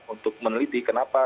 untuk mencari penumpang